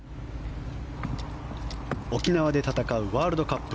沖縄で戦うワールドカップ